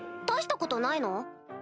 大したことないの？